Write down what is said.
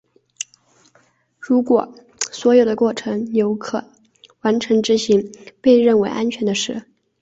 如果所有过程有可能完成执行被认为是安全的。